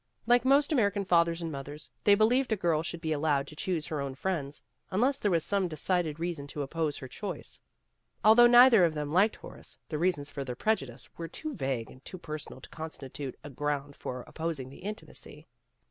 Like most American fathers and mothers, they believed a girl should be allowed to choose her own friends, unless there was some decided reason to oppose her choice. Al though neither of them liked Horace, the reasons for their prejudice were too vague and too personal to constitute a ground for opposing the intimacy.